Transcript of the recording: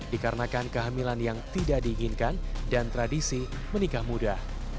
dikarenakan kehamilan yang tidak diinginkan dan tradisi menikah muda